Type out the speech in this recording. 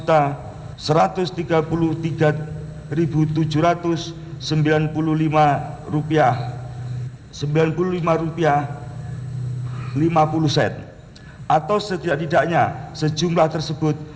atau setidaknya sejumlah tersebut